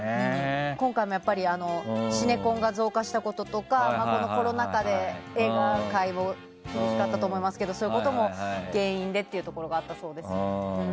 今回もシネコンが増加したこととかコロナ禍で映画界も厳しかったと思いますがそういうことも原因であったみたいです。